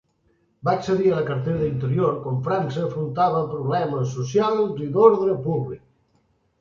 Va accedir a la cartera d'Interior quan França afrontava problemes socials i d'ordre públic.